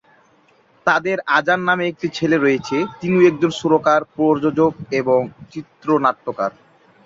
তাদের আজান নামে একটি ছেলে রয়েছে; তিনিও একজন সুরকার, প্রযোজক এবং চিত্রনাট্যকার।